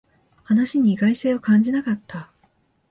話に意外性を感じなかった